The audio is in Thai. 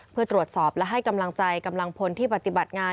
เพื่อตรวจสอบและให้กำลังใจกำลังพลที่ปฏิบัติงาน